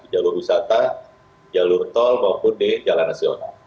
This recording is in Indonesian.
jalur wisata jalur tol maupun di jalan nasional